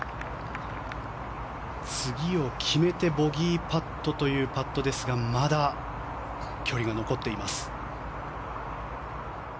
次を決めてボギーパットというパットですがまだ距離が残っています。